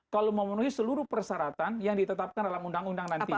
kalau memenuhi seluruh persyaratan yang ditetapkan dalam undang undang nanti